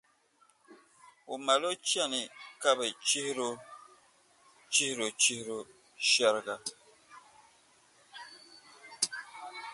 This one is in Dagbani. a mali o chani ka bɛ chibiri’ o chihiro-chihiro shɛriga.